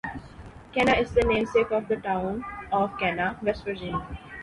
Kenna is the namesake of the town of Kenna, West Virginia.